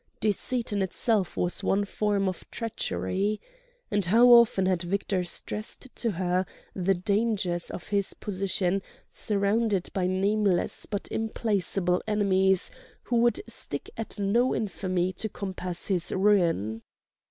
Deceit in itself was one form of treachery. And how often had Victor stressed to her the dangers of his position, surrounded by nameless but implacable enemies who would stick at no infamy to compass his ruin!